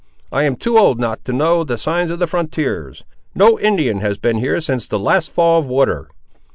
I am too old not to know the signs of the frontiers; no Indian has been here since the last fall of water.